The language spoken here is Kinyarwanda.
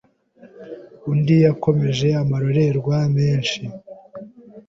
Undi yakomeje amarorerwa menshi